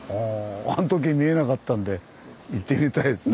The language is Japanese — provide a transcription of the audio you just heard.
あああのとき見えなかったんで行ってみたいです。